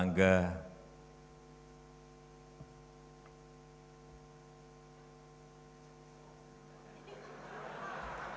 yang methyl paula